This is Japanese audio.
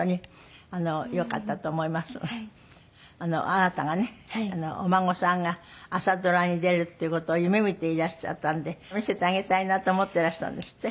あなたがねお孫さんが朝ドラに出るっていう事を夢見ていらっしゃったんで見せてあげたいなと思っていらしたんですって？